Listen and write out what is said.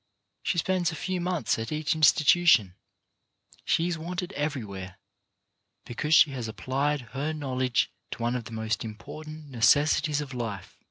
She spends a few months at each in stitution. She is wanted everywhere, because she has applied her education to one of the most important necessities of life.